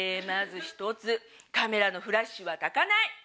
まず１つカメラのフラッシュはたかない。